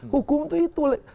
hukum itu itu